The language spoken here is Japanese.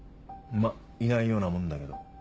まいないようなもんだけど。